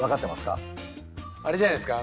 あれじゃないっすか？